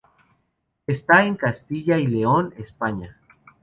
Está en Castilla y León, España.